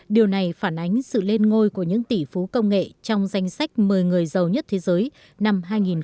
điều này phản ánh sự lên ngôi của những tỷ phú công nghệ trong danh sách một mươi người giàu nhất thế giới năm hai nghìn một mươi chín